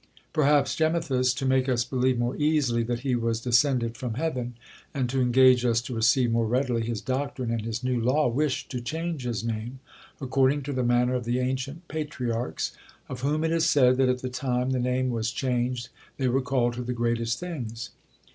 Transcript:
Perhaps Gemisthus, to make us believe more easily that he was descended from heaven, and to engage us to receive more readily his doctrine and his new law, wished to change his name, according to the manner of the ancient patriarchs, of whom it is said, that at the time the name was changed they were called to the greatest things.